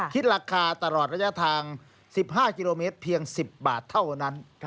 คิดราคาตลอดระยะทาง๑๕กิโลเมตรเพียง๑๐บาทเท่านั้น